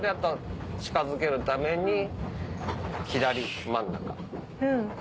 近づけるために左真ん中。